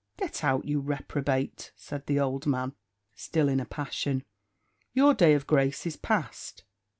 "Get out, you reprobate," said the old fellow, still in a passion. "Your day of grace is past.